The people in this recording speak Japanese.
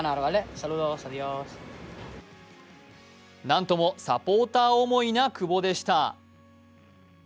なんともサポーター思いな久保でした。